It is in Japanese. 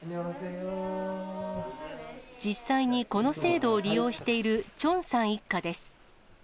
実際にこの制度を利用しているチョンさん一家です。